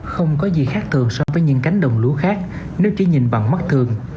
không có gì khác thường so với những cánh đồng lúa khác nếu chỉ nhìn bằng mắt thường